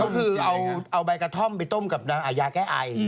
ก็คือเอาใบกระท่อมไปต้มกับยาแก้ไอ